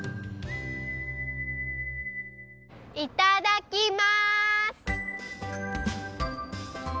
いただきます！